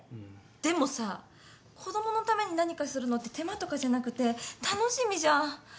でもさ子供のために何かするのって手間とかじゃなくて楽しみじゃん。